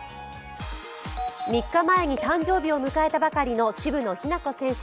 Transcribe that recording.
３日前に誕生日を迎えたばかりの渋野日向子選手。